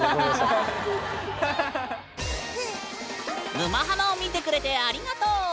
「沼ハマ」を見てくれてありがとう。